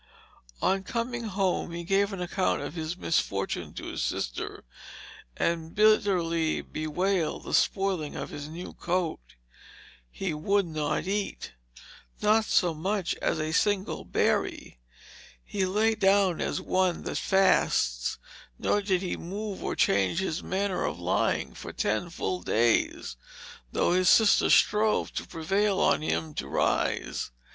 On coming home he gave an account of his misfortune to his sister, and bitterly bewailed the spoiling of his new coat. He would not eat not so much as a single berry. He lay down as one that fasts; nor did he move or change his manner of lying for ten full days, though his sister strove to prevail on him to rise.